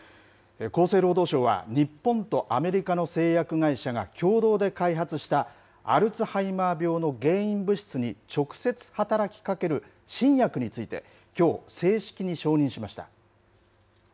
厚生労働省は、日本とアメリカの製薬会社が共同で開発したアルツハイマー病の原因物質に直接働きかける新薬について、きょう、正式に承認しました。